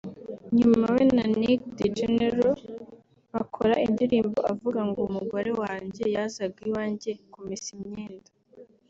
nyuma we na Neg The General bakora indirimbo avuga ngo umugore wanjye yazaga iwanjye kumesa imyenda